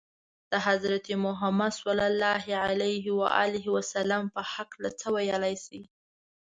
د حضرت محمد ﷺ په هکله څه ویلای شئ؟